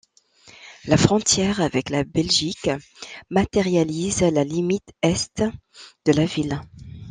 La frontière avec la Belgique matérialise la limite Est de la ville.